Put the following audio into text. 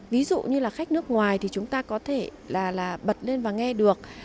ví dụ như khách nước ngoài thì chúng ta có thể bật lên và nghe được